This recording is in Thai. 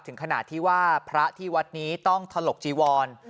ถึงขนาดที่ว่าพระที่วัดนี้ต้องถลกจีวร